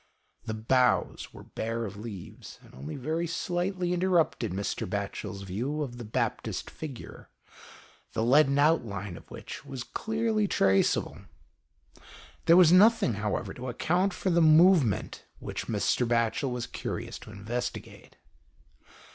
The boughs were bare of leaves, and only very slightly interrupted Mr. Batchel's view of the Baptist's figure, the leaden outline of which was clearly traceable. There was nothing, however, to account for the movement which Mr. Batchel was curious to investigate.